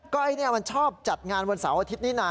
ก็ไอ้นี่มันชอบจัดงานวันเสาร์อาทิตย์นี้นะ